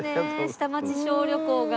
下町小旅行が。